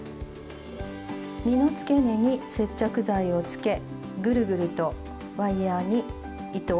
実のつけ根に接着剤をつけぐるぐるとワイヤーに糸を巻きつけていきます。